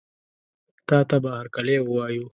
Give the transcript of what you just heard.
تاته به هرکلی ووایو.